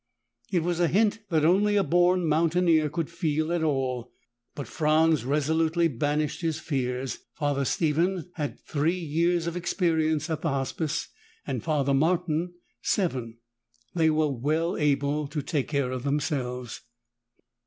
It was a hint that only a born mountaineer could feel at all but Franz resolutely banished his fears. Father Stephen had had three years of experience at the Hospice and Father Martin seven. They were well able to take care of themselves.